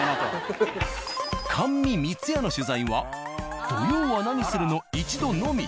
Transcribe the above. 「甘味みつや」の取材は「土曜はナニする！？」の一度のみ。